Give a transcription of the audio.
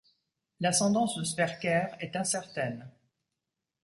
L'ascendance de Sverker est incertaine.